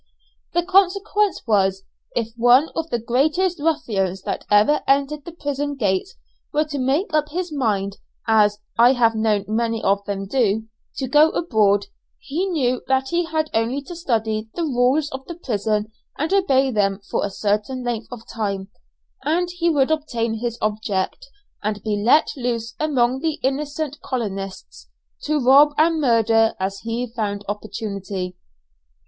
The consequence was, if one of the greatest ruffians that ever entered the prison gates were to make up his mind, as I have known many of them do, to go abroad, he knew that he had only to study the rules of the prison and obey them for a certain length of time, and he would obtain his object, and be let loose among the innocent colonists, to rob and murder as he found opportunity.